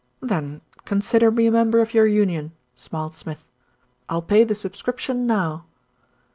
"Then consider me a member of your union," smiled Smith. "I'll pay the subscription now."